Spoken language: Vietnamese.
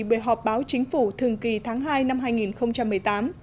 buổi họp báo chính phủ thường kỳ tháng hai năm hai nghìn một mươi tám